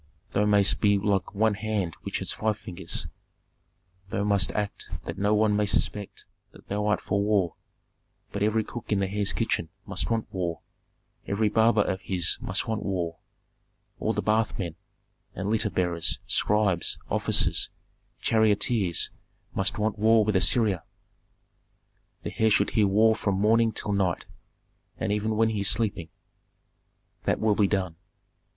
"Thou mayst be like one hand which has five fingers. Thou must so act that no one may suspect that thou art for war, but every cook in the heir's kitchen must want war, every barber of his must want war, all the bath men, and litter bearers, scribes, officers, charioteers must want war with Assyria; the heir should hear war from morning till night, and even when he is sleeping." "That will be done."